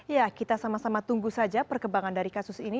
ya kita sama sama tunggu saja perkembangan dari kasus ini